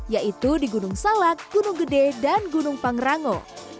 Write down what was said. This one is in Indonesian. yaitu di gunung salak gunung gede dan gunung pangrango